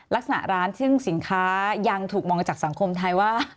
ลักษณะร้านซึ่งสินค้ายังถูกมองจากสังคมไทยว่า